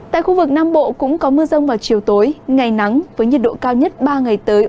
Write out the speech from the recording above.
tại khu vực nam bộ cũng có mưa rông vào chiều tối ngày nắng với nhiệt độ cao nhất ba ngày tới